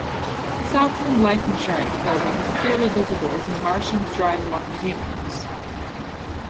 Southland Life Insurance Building is clearly visible as the Martians drive among the humans.